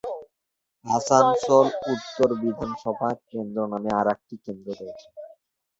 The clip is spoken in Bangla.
আসানসোল উত্তর বিধানসভা কেন্দ্র নামে আরেকটি কেন্দ্র রয়েছে।